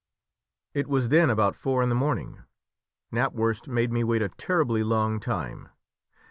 It was then about four in the morning. Knapwurst made me wait a terribly long time.